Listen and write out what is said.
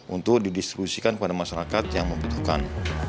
untuk didistribusikan kepada masyarakat yang membutuhkan